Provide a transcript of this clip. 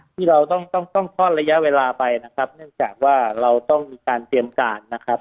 ที่เราต้องต้องท่อนระยะเวลาไปนะครับเนื่องจากว่าเราต้องมีการเตรียมการนะครับ